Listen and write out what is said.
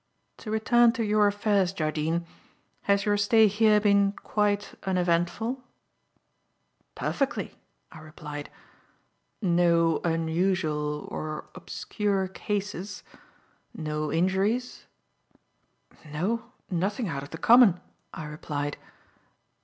To return to your affairs, Jardine, has your stay here been quite uneventful?" "Perfectly," I replied. "No unusual or obscure cases? No injuries?" "No, nothing out of the common," I replied.